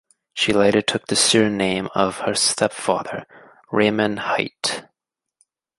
She later took the surname of her stepfather, Raymond Hite.